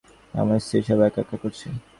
আমার স্ত্রী সব একা করছে।